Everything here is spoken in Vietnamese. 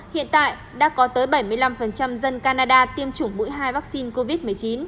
hiện tại đã có tới bảy mươi năm dân canada tiêm chủng mũi hai vaccine covid một mươi chín